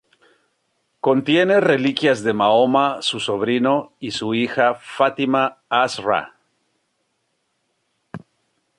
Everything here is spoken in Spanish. Contiene reliquias de Mahoma, su sobrino, y su hija, Fatima az-Zahra.